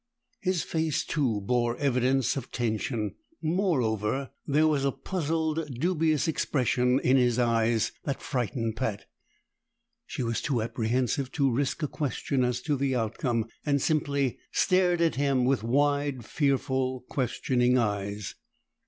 His face too bore evidence of tension; moreover, there was a puzzled, dubious expression in his eyes that frightened Pat. She was too apprehensive to risk a question as to the outcome, and simply stared at him with wide, fearful, questioning eyes.